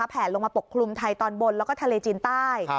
แผลลงมาปกคลุมไทยตอนบนแล้วก็ทะเลจีนใต้